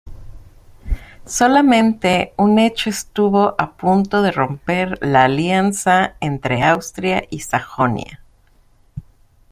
Solamente un hecho estuvo a punto de romper la alianza entre Austria y Sajonia.